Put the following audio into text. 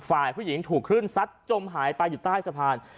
ฝ่ายผู้หญิงถูกคลื่นซัดจมหายไปอยู่ใต้สะพาน